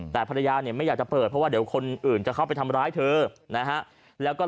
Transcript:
แต่ภรรยาเนี่ยไม่อยากจะเปิดเพราะว่าเดี๋ยวคนอื่นจะเข้าไปทำร้ายเธอนะฮะ